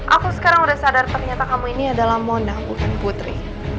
aku sekarang udah sadar ternyata kamu ini adalah mondang bukan putri